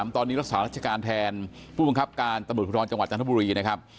ตอนนี้รักษารัชการแทนผู้บังคับการตำรวจภูทรจังหวัดจันทบุรีนะครับ